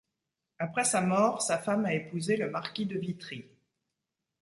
Après sa mort sa femme a épousé le marquis de Vitry.